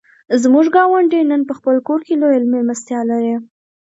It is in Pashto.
زموږ ګاونډی نن په خپل کور کې لویه مېلمستیا لري.